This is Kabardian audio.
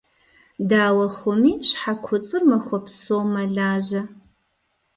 Дауэ хъуми щхьэ куцӀыр махуэ псом мэлажьэ.